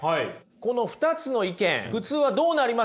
この２つの意見普通はどうなります？